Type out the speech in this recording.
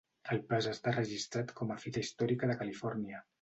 El pas està registrat com a Fita Històrica de Califòrnia.